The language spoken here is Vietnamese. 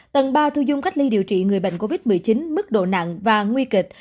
tầng ba thu dung cách ly điều trị người bệnh covid một mươi chín mức độ nặng và nguy kịch